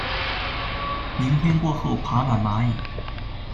明天过后爬满蚂蚁